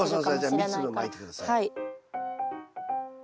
はい。